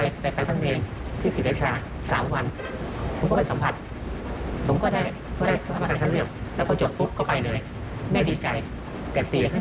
แล้วก็บอกคุณแม่ว่าโดดเทิดนี้จะไป